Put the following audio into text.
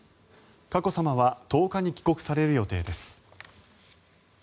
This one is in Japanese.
佳子さまは１０日に帰国される予定です。